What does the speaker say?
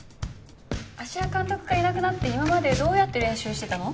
芦屋監督がいなくなって今までどうやって練習してたの？